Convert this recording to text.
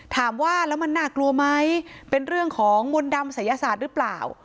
ถามว่าแล้วมันน่ากลัวไหมเป็นเรื่องของมนต์ดำศัยศาสตร์หรือเปล่า